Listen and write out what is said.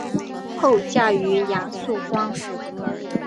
后嫁于杨肃观。